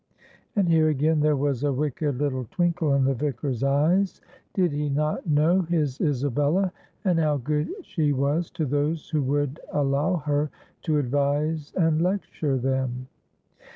And here again there was a wicked little twinkle in the Vicar's eyes. Did he not know his Isabella, and how good she was to those who would allow her to advise and lecture them.